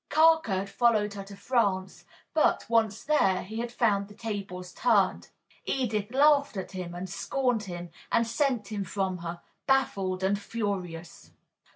Carker had followed her to France, but, once there, he had found the tables turned. Edith laughed at him and scorned him, and sent him from her, baffled and furious.